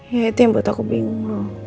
ya itu yang buat aku bingung